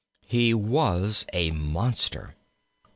He was a monster.